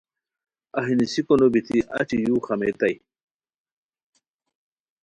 اہی نیسیکو نو بیتی اچی یو خامیتائے